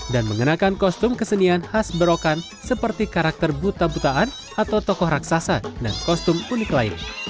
dan mengenakan kostum kesenian khas berokan seperti karakter buta butaan atau tokoh raksasa dan kostum unik lain